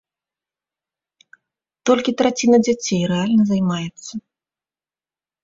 Толькі траціна дзяцей рэальна займаецца.